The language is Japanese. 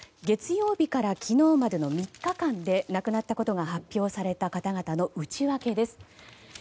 月曜日から昨日までの３日間で亡くなったことが発表された方々の内訳です。